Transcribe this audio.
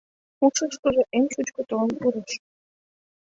Ушышкыжо эн шучко толын пурыш.